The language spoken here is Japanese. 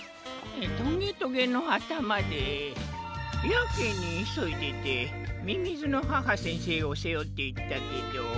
トゲトゲのあたまでやけにいそいでてみみずの母先生をせおっていったけど。